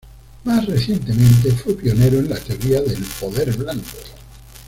Más recientemente, fue pionero en la teoría del poder blando.